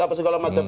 apa segala macam